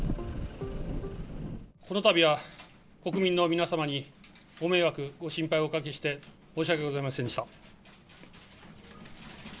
このたびは国民の皆様にご迷惑、ご心配をおかけして申し訳ございませんでした。